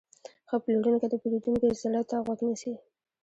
ښه پلورونکی د پیرودونکي زړه ته غوږ نیسي.